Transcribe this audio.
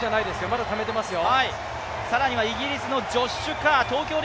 まだためてますよ。